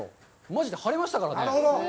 マジで晴れましたからね。